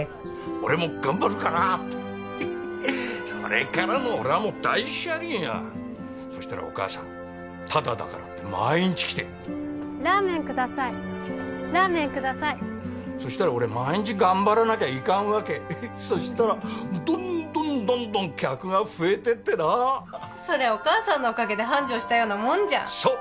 「俺も頑張るから」ってそれからの俺はもう大車輪よそしたらお母さんタダだからって毎日来てラーメンくださいラーメンくださいそしたら俺毎日頑張らなきゃいかんわけそしたらどんどんどんどん客が増えてってなそれお母さんのおかげで繁盛したようなもんじゃんそっ！